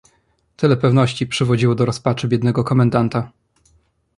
"Tyle pewności przywodziło do rozpaczy biednego komendanta."